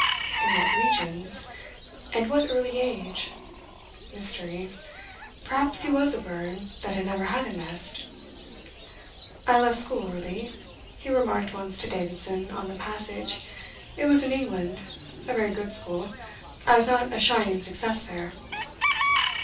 In what regions? And what early age? Mystery. Perhaps he was a bird that had never had a nest. "I left school early," he remarked once to Davidson, on the passage. "It was in England. A very good school. I was not a shining success there."